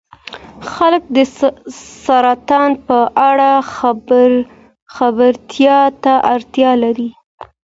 خلک د سرطان په اړه خبرتیا ته اړتیا لري.